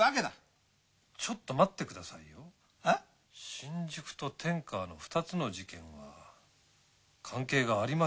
新宿と天川の２つの事件は関係がありますね。